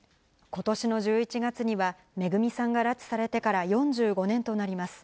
ことしの１１月には、めぐみさんが拉致されてから４５年となります。